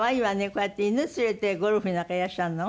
こうやって犬連れてゴルフなんかへいらっしゃるの？